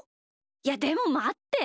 いやでもまって。